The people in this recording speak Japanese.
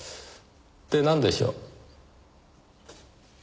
でなんでしょう？